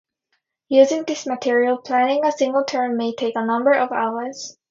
Using this material, planning a single turn may take a number of hours.